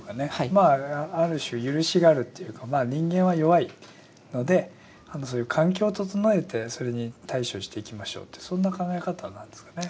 まあある種許しがあるというか人間は弱いので環境を整えてそれに対処していきましょうってそんな考え方なんですかね。